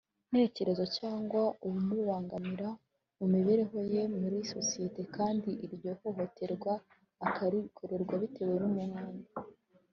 ntekerezo cyangwa ubumubangamira mu mibereho ye muri sosiyete kandi iryo hohoterwa akarikorerwa bitewe n umwanya